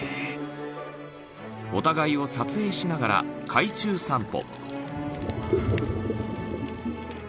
［お互いを撮影しながら海中散歩］